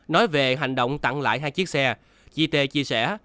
nói về hành động tặng lại hai chiếc xe chị tê chia sẻ